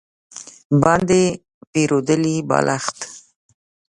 باندې پریولي بالښت